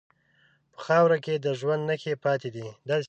په خاوره کې د ژوند نښې پاتې دي.